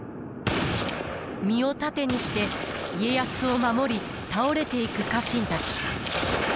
身を盾にして家康を守り倒れていく家臣たち。